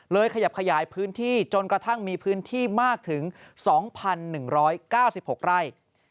ขยับขยายพื้นที่จนกระทั่งมีพื้นที่มากถึง๒๑๙๖ไร่